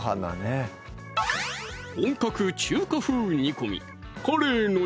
本格中華風煮込み